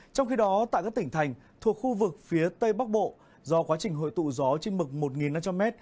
trong khi đó tại các tỉnh thành thuộc khu vực phía tây bắc bộ do quá trình hội tụ gió trên mực một năm trăm linh m